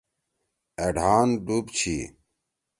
أ ڈھان ڈُوب چھی۔